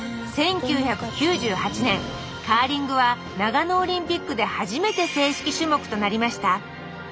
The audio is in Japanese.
１９９８年カーリングは長野オリンピックで初めて正式種目となりました。